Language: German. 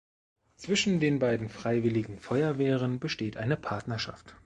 Zwischen den beiden Freiwilligen Feuerwehren besteht eine Patenschaft.